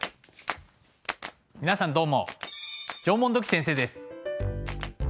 皆さんどうも縄文土器先生です。